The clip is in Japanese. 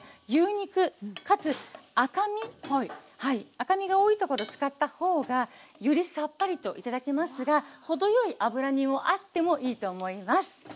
赤身が多いところ使ったほうがよりさっぱりと頂けますが程よい脂身もあってもいいと思います。